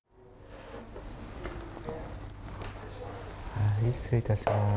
はい失礼いたします。